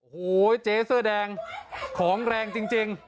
โอ้โหเจ๊เสื้อแดงของแรงจริง